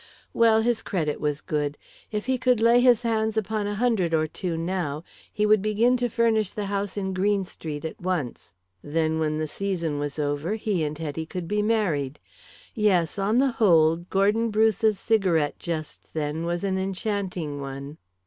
Well, his credit was good. If he could lay his hands upon a hundred or two now, he would begin to furnish the house in Green Street at once. Then when the season was over he and Hetty could be married. Yes, on the whole Gordon Bruce's cigarette just then was an enchanting one.